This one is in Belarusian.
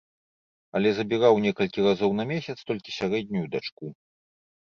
Але забіраў некалькі разоў на месяц толькі сярэднюю дачку.